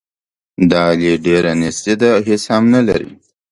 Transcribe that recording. د علي ډېره نیستي ده، هېڅ هم نه لري.